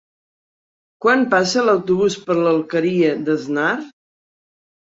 Quan passa l'autobús per l'Alqueria d'Asnar?